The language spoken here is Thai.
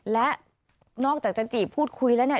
และนอกจากจะจีบพูดคุยแล้วเนี่ย